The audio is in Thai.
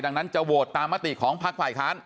ดังนั้นจะโหวตตามมติของพักฝ่ายค้าน